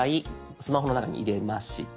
スマホの中に入れました。